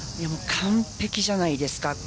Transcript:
完璧じゃないですか。